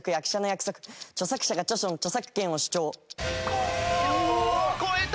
おお超えた！